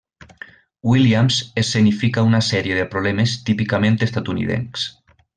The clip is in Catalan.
Williams escenifica una sèrie de problemes típicament estatunidencs.